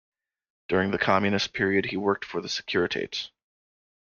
During the communist period, he worked for the Securitate.